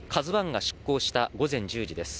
「ＫＡＺＵ１」が出港した午前１０時です。